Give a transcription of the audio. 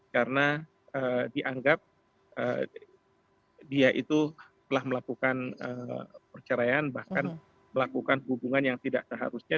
karena dianggap dia itu telah melakukan perceraian bahkan melakukan hubungan yang tidak seharusnya